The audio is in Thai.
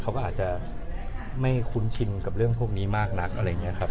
เขาก็อาจจะไม่คุ้นชินกับเรื่องพวกนี้มากนักอะไรอย่างนี้ครับ